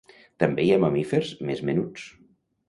També hi ha mamífers més menuts.